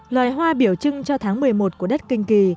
loài hoa biểu trưng cho tháng một mươi một của đất kinh kỳ